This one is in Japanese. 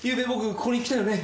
ここに来たよね？